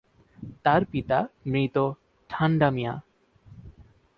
তার পিতা মৃত ঠান্ডামিয়া।